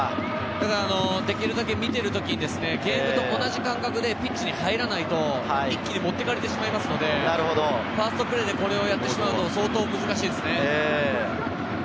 できるだけ見ている時にゲームと同じ感覚でピッチに入らないと一気にもってかれてしまいますので、ファーストプレーでこれをやってしまうと相当難しいですね。